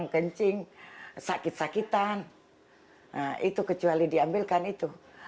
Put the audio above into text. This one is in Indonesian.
kecuali diambilkan itu